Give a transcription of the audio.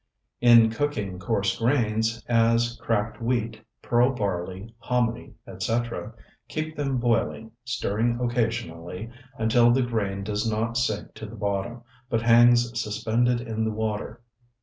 In cooking coarse grains, as cracked wheat, pearl barley, hominy, etc., keep them boiling, stirring occasionally until the grain does not sink to the bottom, but hangs suspended in the water.